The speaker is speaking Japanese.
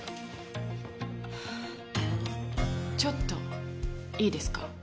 ちょっといいですか？